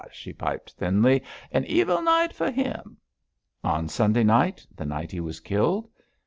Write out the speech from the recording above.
she piped thinly, 'an evil night for him!' 'On Sunday night the night he was killed?'